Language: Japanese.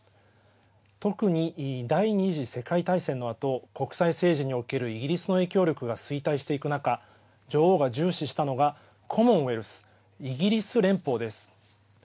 特に第２次世界大戦のあと国際政治におけるイギリスの影響力が衰退していく中女王が重視したのがコモンウエルス＝イギリス連邦です。